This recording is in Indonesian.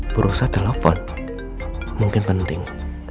berusaha telepon mungkin penting